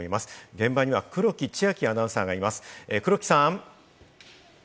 現場には黒木千晶アナウンサーがいます、黒木さん。